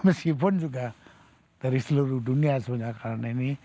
meskipun juga dari seluruh dunia sebenarnya karena ini